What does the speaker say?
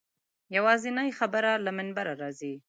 یوازینۍ خبرې له منبره راځي.